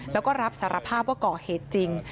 แล้วก็รับสารภาพว่าก่อเหตุจริง